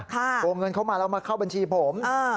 ค่ะโกงเงินเข้ามาเรามาเข้าบัญชีผมเออ